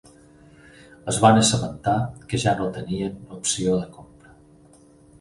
Es van assabentar que ja no tenien opció de compra.